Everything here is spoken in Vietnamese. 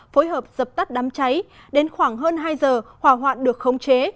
phối hợp dập tắt đám cháy đến khoảng hơn hai giờ hòa hoạn được khống chế